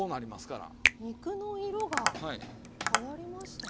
肉の色が変わりましたね。